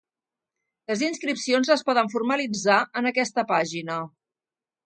Les inscripcions es poden formalitzar en aquesta pàgina.